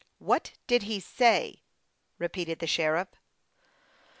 " What did he say ?" repeated the sheriff.